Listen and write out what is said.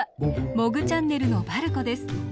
モグチャンネルのばるこです。